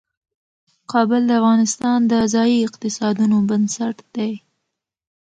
کابل د افغانستان د ځایي اقتصادونو بنسټ دی.